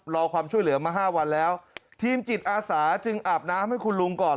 รอความช่วยเหลือมาห้าวันแล้วทีมจิตอาสาจึงอาบน้ำให้คุณลุงก่อน